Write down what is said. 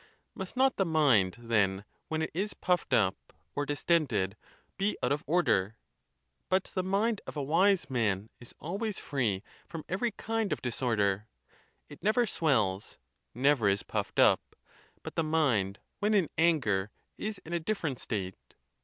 Must not the mind, then, when it is puffed up, or distended, be out of order? But the mind of a wise man is always free from every kind of disorder: it never swells, never is puffed up; but the mind when in anger is in a different state.